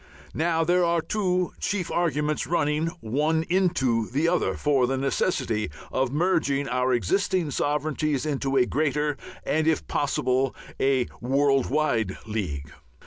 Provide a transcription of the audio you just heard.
Now, there are two chief arguments, running one into the other, for the necessity of merging our existing sovereignties into a greater and, if possible, a world wide league.